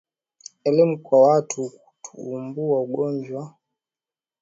elimu kwa watu kuutambua ugonjwa kujikinga na kufuata ushauri wa kitaalamu endapo ugonjwa utaingia